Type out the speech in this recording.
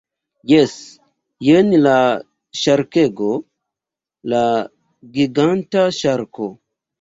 Jes. Jen la ŝarkego. La giganta ŝarko.